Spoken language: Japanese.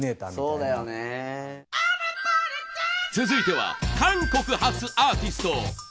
続いては韓国発アーティスト。